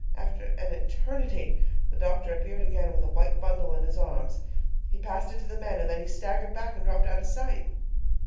After an eternity the doctor appeared again with a white bundle in his arms. He passed it out to the men, and then he staggered back and dropped out of sight!